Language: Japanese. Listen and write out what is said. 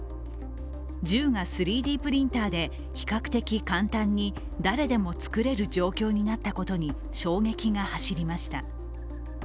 銃が３Ｄプリンターで比較的簡単に誰でも作れる状況になったことに衝撃が走りました。